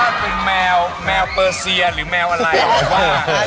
ถ้าเป็นแมวแมวเปอร์เซียหรือแมวอะไรผมว่า